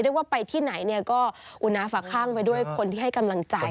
เรียกว่าไปที่ไหนเนี่ยก็อุณาฝากข้างไปด้วยคนที่ให้กำลังใจ